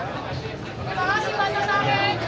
jatian epa jayante